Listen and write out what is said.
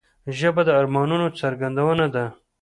ژبه د ارمانونو څرګندونه ده